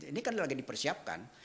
ini kan lagi dipersiapkan